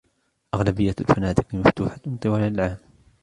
أغلبية الفنادق مفتوحة طوال العام.